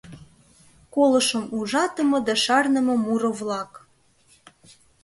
КОЛЫШЫМ УЖАТЫМЕ ДА ШАРНЫМЕ МУРО-ВЛАК.